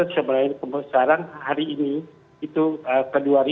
sebelumnya kemarin hari ini itu ke dua